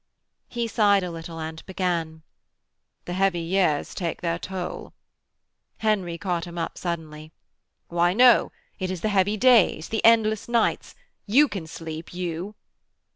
He sighed a little and began: 'The heavy years take their toll.' Henry caught him up suddenly: 'Why, no. It is the heavy days, the endless nights. You can sleep, you.'